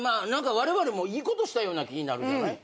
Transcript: われわれもいいことしたような気になるじゃない。